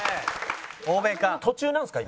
欧米か！